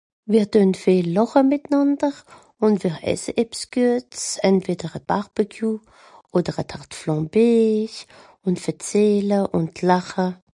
mr deun vel làre mìtnànder ùn wìr esse ebs guets àntwìder à Barbecue oder à Tarte flambée ùn verzähle ùn lare